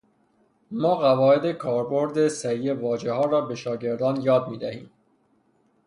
ما قواعد کاربرد صحیح واژهها را به شاگردان یاد میدهیم.